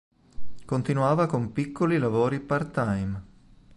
Continuava con piccoli lavori part-time.